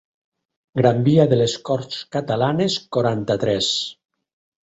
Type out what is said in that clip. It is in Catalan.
Gran via de les Corts Catalanes quaranta-tres.